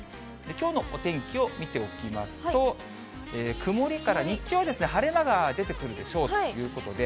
きょうのお天気を見ておきますと、曇りから日中は晴れ間が出てくるでしょうということで。